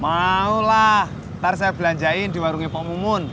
mau lah nanti saya belanjain di warungnya pak mumun